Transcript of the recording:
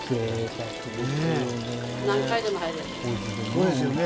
そうですよね